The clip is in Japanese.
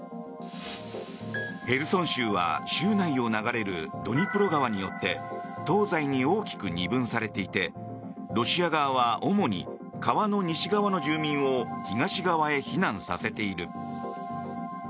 ヘルソン州は州内を流れるドニプロ川によって東西に大きく二分されていてロシア側は主に川の西側の住民を東側へ避難させている。